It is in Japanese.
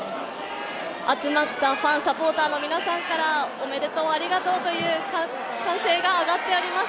集まったファン、サポーターの皆さんから、おめでとうありがとうという歓声が上がっております。